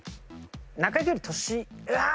中居君より年うわ！